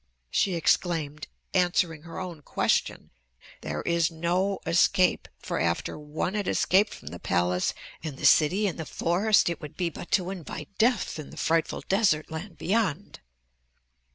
she exclaimed, answering her own question, "there is no escape, for after one had escaped from the palace and the city and the forest it would be but to invite death in the frightful desert land beyond.